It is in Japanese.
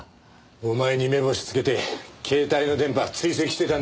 お前に目星つけて携帯の電波追跡してたんだよ。